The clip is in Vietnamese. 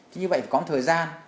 chứ như vậy có thời gian